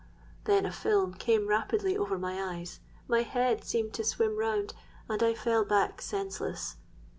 Then a film came rapidly over my eyes—my head seemed to swim round—and I fell back senseless.